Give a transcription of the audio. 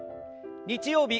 日曜日